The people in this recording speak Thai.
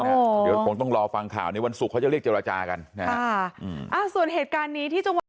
เดี๋ยวคงต้องรอฟังข่าวนี้วันศุกร์เขาจะเรียกเจรจากันนะฮะอืมอ่าส่วนเหตุการณ์นี้ที่จังหวัด